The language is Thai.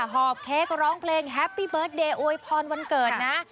หอบเค้กร้องเพลงแฮปปี้เบิร์ตเดย์อวยพรวันเกิดนะ